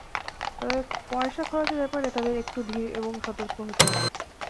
তবে, পয়সা খরচের ব্যাপারে তাঁদের একটু ধীর এবং সতর্ক হতে হবে।